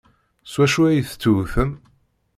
S wacu ay tettewtem?